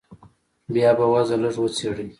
بيا به وضع لږه وڅېړې.